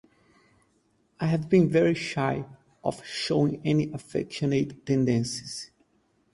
I have always been very shy of showing any affectionate tendencies.